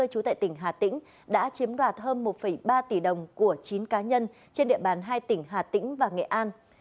chú tại tỉnh hà tĩnh đã chiếm đoạt hơn một ba tỷ đồng của chín cá nhân trên địa bàn hai tỉnh hà tĩnh và nghệ an